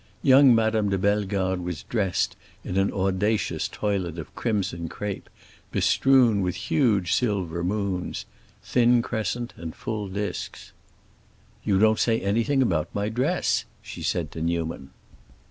Young Madame de Bellegarde was dressed in an audacious toilet of crimson crape, bestrewn with huge silver moons—thin crescent and full disks. "You don't say anything about my dress," she said to Newman.